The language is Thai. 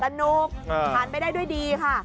สนุกผ่านไปได้ด้วยดีค่ะ